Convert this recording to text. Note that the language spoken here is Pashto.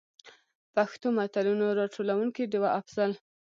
پښتو متلونو: راټولونکې ډيـوه افـضـل.